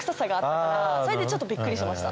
それでちょっとビックリしました。